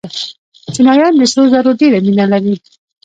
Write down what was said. چینایان د سرو زرو ډېره مینه لري.